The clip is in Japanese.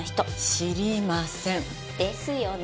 知りません。ですよね。